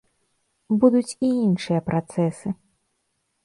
Будуць і іншыя працэсы.